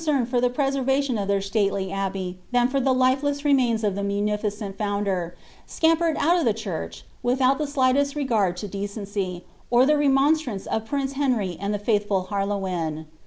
75 more coneemed for the preservation of their stately abbey than for the lifeless reoiains of the munificent founder, scampered out of the church, without the slightest rmrd to decency, or the remonstrances of prince Henry and the fiuthful Herlewin.